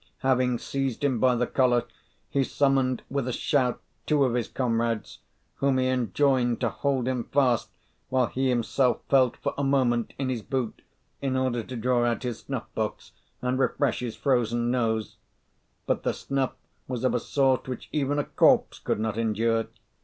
Having seized him by the collar, he summoned, with a shout, two of his comrades, whom he enjoined to hold him fast while he himself felt for a moment in his boot, in order to draw out his snuff box and refresh his frozen nose. But the snuff was of a sort which even a corpse could not endure.